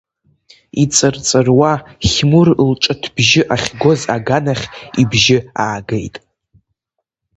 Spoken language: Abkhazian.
Иҵырҵыруа Хьмур лҿыҭбжьы ахьгоз аганахь ибжьы аагеит.